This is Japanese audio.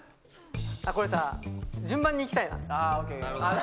これさ、順番にいきたいな。